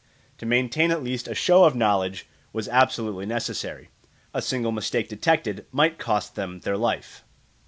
To maintain at least a show of knowledge was absolutely necessary; a single mistake detected might cost them their life.